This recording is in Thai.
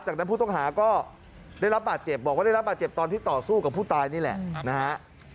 จากนั้นผู้ต้องหาก็ได้รับบาดเจ็บบอกว่าได้รับบาดเจ็บตอนที่ต่อสู้กับผู้ตายนี่แหละนะฮะ